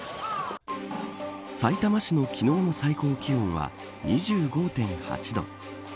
さいたま市の昨日の最高気温は２５．８度。